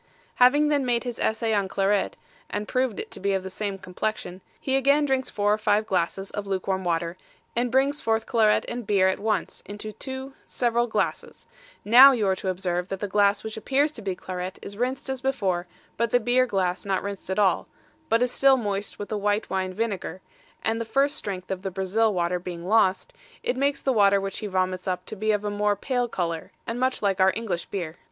Having then made his essay on claret, and proved it to be of the same complexion, he again drinks four or five glasses of luke warm water, and brings forth claret and beer at once into two several glasses: now you are to observe that the glass which appears to be claret is rinsed as before, but the beer glass not rinsed at all, but is still moist with the white wine vinegar, and the first strength of the Brazil water being lost, it makes the water which he vomits up to be of a more pale colour, and much like our English beer.